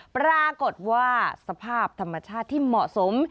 ปรากฏว่าสภาพธรรมชาติที่เหมาะสม